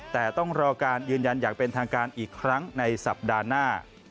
แต่ต้องรอการยืนยันอย่างเป็นทางการอีกครั้งในสัปดาห์หน้า